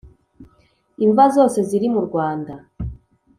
Imva zose ziri mu Rwanda